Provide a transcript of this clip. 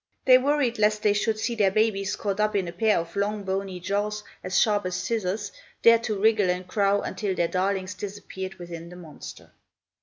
They worried lest they should see their babies caught up in a pair of long, bony jaws, as sharp as scissors, there to wriggle and crow, until their darlings disappeared within the monster.